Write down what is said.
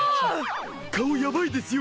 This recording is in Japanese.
顔ヤバいですよ